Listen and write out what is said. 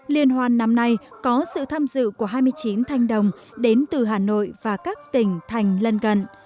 liên hoan năm nay có sự tham dự của hai mươi chín thanh đồng đến từ hà nội và các tỉnh thành lân cận